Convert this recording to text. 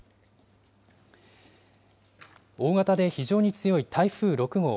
大型で非常に強い台風６号。